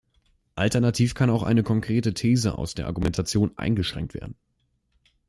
Alternativ kann auch eine konkrete These aus der Argumentation eingeschränkt werden.